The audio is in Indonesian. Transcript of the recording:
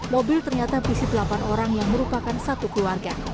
mobil ternyata berisi delapan orang yang merupakan satu keluarga